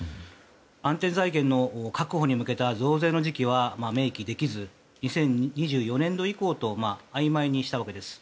安定財源の確保に向けた増税の時期は明記できず２０２４年度以降とあいまいにしたわけです。